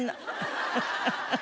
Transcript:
ハハハハ。